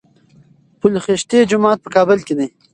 پل خشتي جومات په کابل کي دی